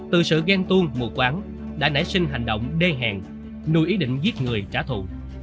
từ sự ghen tuôn mùa quán đã nảy sinh hành động đê hẹn nuôi ý định giết người trả thù